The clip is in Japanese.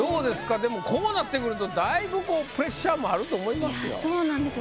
でもこうなってくるとだいぶこうプレッシャーもあると思いますよ。